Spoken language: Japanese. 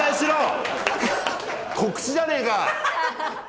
告知じゃねえか！